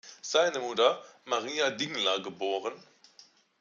Seine Mutter, Maria Dingler geb.